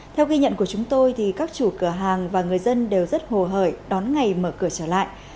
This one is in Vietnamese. theo ghi nhận của chúng tôi thì các chủ cửa hàng và người dân đều rất hồ hởi đón ngày mở cửa trở lại